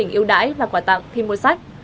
các tỉnh ưu đãi và quả tặng thêm mua sách